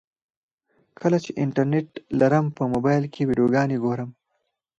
کله چې انټرنټ لرم په موبایل کې ویډیوګانې ګورم.